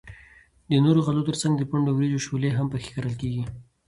د نورو غلو تر څنگ د پنډو وریجو شولې هم پکښی کرل کیږي.